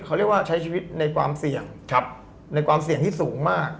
เขาเรียกว่าใช้ชีวิตในความเสี่ยงในความเสี่ยงที่สูงมาก